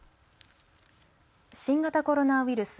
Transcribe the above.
新型コロナウイルス。